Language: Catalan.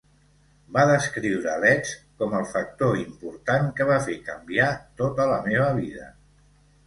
Va descriure Letts com "el factor important que va fer canviar tota la meva vida".